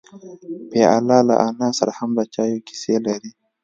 پیاله له انا سره هم د چایو کیسې لري.